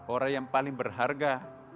orang yang paling berharga